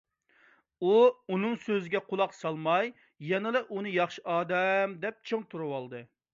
ئۇ ئۇنىڭ سۆزىگە قۇلاق سالماي، يەنىلا ئۇنى ياخشى ئادەم دەپ چىڭ تۇرۇۋالدى.